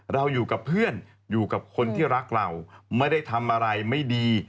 เราอยู่กับเพื่อนอยู่กับคนที่รักเราไม่ได้ทำอะไรไม่ดี